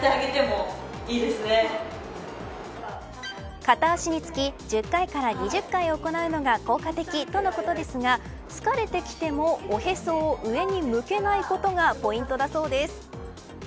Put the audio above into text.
片足につき１０回から２０回行うのが効果的とのことですが疲れてきてもおへそを上に向けないことがポイントだそうです。